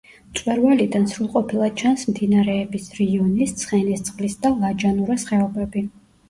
მწვერვალიდან სრულყოფილად ჩანს მდინარეების: რიონის, ცხენისწყლის და ლაჯანურას ხეობები.